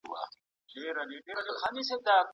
تیاره کې موبایل کارول سترګې خرابوي.